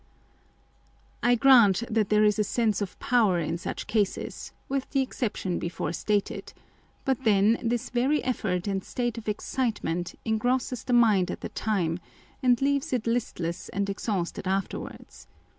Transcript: G.. v^v^ci,^4 â€žu^ w^ b I grant that there is a sense of power in such cases, with the exception before stated ; but then this very effort and state of excitement engrosses the mind at the time, and leaves it listless and exhausted afterwards.